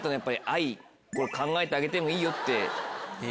「考えてあげてもいいよ」